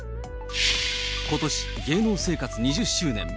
ことし、芸能生活２０周年。